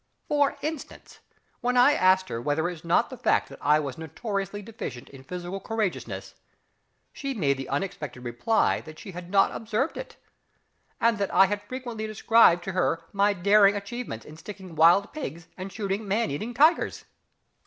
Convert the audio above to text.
For instance, when I asked her whether it was not the fact that I was notoriously deficient in physical courageousness, she made the unexpected reply that she had not observed it, and that I had frequently described to her my daring achievements in sticking wild pigs and shooting man eating tigers.